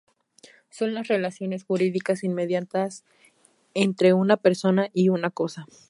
Son las relaciones jurídicas inmediatas entre una persona y una cosa.